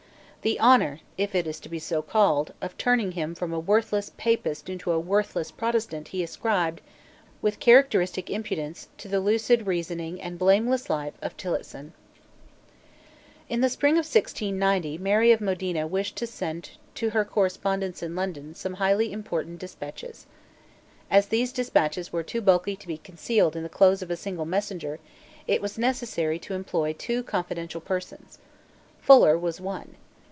The honour, if it is to be so called, of turning him from a worthless Papist into a worthless Protestant he ascribed, with characteristic impudence, to the lucid reasoning and blameless life of Tillotson. In the spring of 1690, Mary of Modena wished to send to her correspondents in London some highly important despatches. As these despatches were too bulky to be concealed in the clothes of a single messenger, it was necessary to employ two confidential persons. Fuller was one.